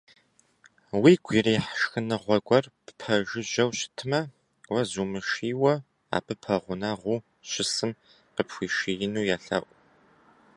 Уигу ирихь шхыныгъуэ гуэр ппэжыжьэу щытмэ, уэ зумышийуэ, абы пэгъунэгъуу щысым къыпхуишиину елъэӏу.